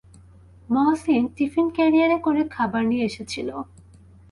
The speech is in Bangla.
মহসিন টিফিন ক্যারিয়ারে করে খাবার নিয়ে এসেছিল।